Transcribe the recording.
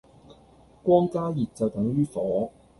光加熱就等於火